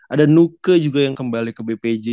ada nuke juga yang kembali ke bpj